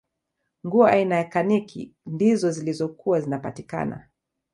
nguo aina ya kaniki ndizo zilizokuwa zinapatikana